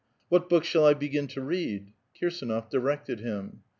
" What books shall I begin to read ?" Kirsdnof directed him.